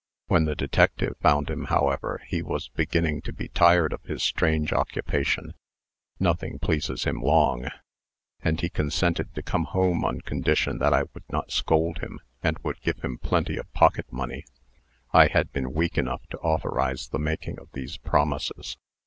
When the detective found him, however, he was beginning to be tired of his strange occupation (nothing pleases him long), and he consented to come home on condition that I would not scold him, and would give him plenty of pocket money. I had been weak enough to authorize the making of these promises.